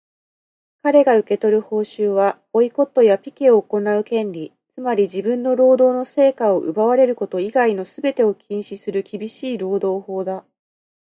かれが受け取る報酬は、ボイコットやピケを行う権利、つまり自分の労働の成果を奪われること以外のすべてを禁止する厳しい労働法だ。